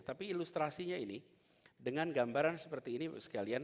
tapi ilustrasinya ini dengan gambaran seperti ini ibu sekalian